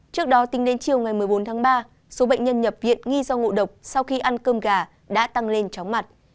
trước đó tính đến chiều ngày một mươi bốn tháng ba số bệnh nhân nhập viện nghi do ngộ độc sau khi ăn cơm gà đã tăng lên chóng mặt